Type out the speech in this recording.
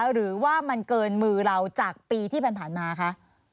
หรือว่ามันเกินมือเราจากปีที่ผ่านมาคะ